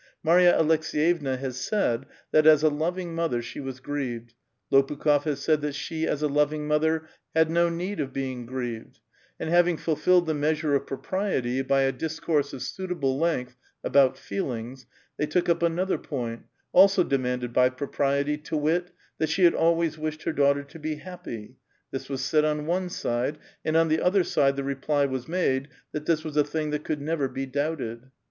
Marya Alek8^»yi»vna lias said that, as a loving mother, she was grieved ; Lopiikiiuf lias said that she, as a loving mother, had no noed of hfiiig grieved ; and having fulfilled the meas ure of pro|)riuty, by a discourse of suitable length about feel ings, they took up another point, also demanded by propriet}*, to wit : that she had always wished her daughter to be happy. This was said on one side ; and on the other side the reply was made that this was a thing that could never be doubted.